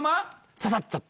刺さっちゃった。